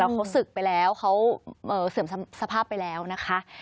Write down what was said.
เขาศึกไปแล้วเขาเสื่อมสภาพไปแล้วนะคะ